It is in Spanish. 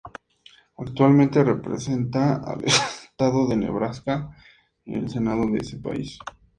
Actualmente representa al estado de Nebraska en el Senado de ese país.